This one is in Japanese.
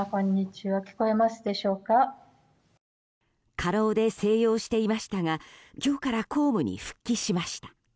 過労で静養していましたが今日から公務に復帰しました。